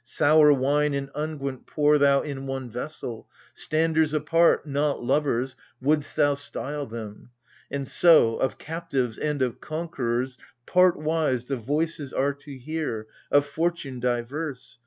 Sour wine and unguent pour thou in one vessel — Standers apart, not lovers, would'st thou style them : And so, of captives and of conquerors, partwise The voices are to hear, of fortune diverse.